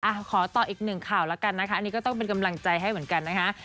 ขอต่ออีกหนึ่งข่าวแล้วกันนะคะอันนี้ก็ต้องเป็นกำลังใจให้เหมือนกันนะคะ